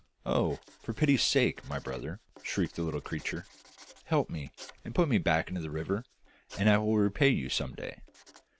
'Oh, for pity's sake, my brother,' shrieked the little creature, 'help me, and put me back into the river, and I will repay you some day.